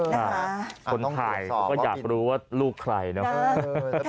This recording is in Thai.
คนไทยก็อยากรู้ว่าลูกใครนะครับ